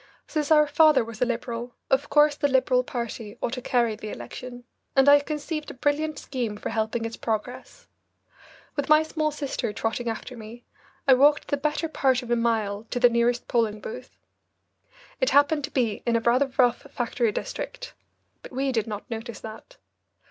Since our father was a Liberal, of course the Liberal party ought to carry the election, and I conceived a brilliant scheme for helping its progress. With my small sister trotting after me, I walked the better part of a mile to the nearest polling booth. It happened to be in a rather rough factory district, but we did not notice that.